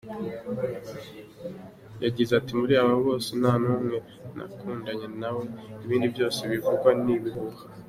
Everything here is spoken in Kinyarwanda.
Yagize ati “ muri aba bose ntanumwe nakundanye nawe ibindi byose bivugwa n’ ibihuha “.